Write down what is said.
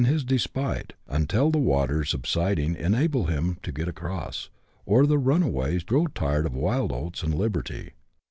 his despite, until the waters subsiding enable him to get across, or the runaways grow tired of wild oats and liberty.